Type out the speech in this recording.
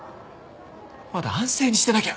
まだ安静にしてなきゃ！